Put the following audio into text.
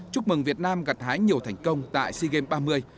chúc mừng việt nam gặt hái nhiều thành công tại sea games ba mươi